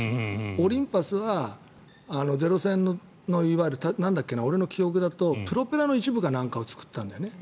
オリンパスはゼロ戦のいわゆる俺の記憶だとプロペラの一部かなんかを作ったんだよね。